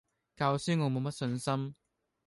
教書我冇乜信心